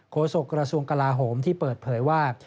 โศกระทรวงกลาโหมที่เปิดเผยว่า